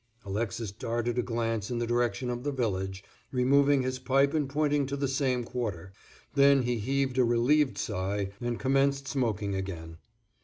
Alexis darted a glance in the direction of the village, removing his pipe and pointing to the same quarter; then he heaved a relieved sigh, and commenced smoking again.